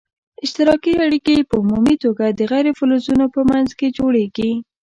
اشتراکي اړیکي په عمومي توګه د غیر فلزونو په منځ کې جوړیږي.